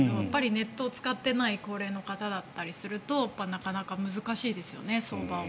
ネットを使っていない高齢の方だったりするとなかなか難しいですよね相場を。